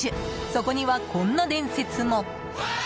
そこには、こんな伝説も。